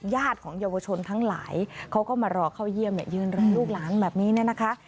ญาติของเยาวชนทั้งหลายเขาก็มารอเข้าเยี่ยมยืนรอลูกหลานแบบนี้เนี่ยนะคะ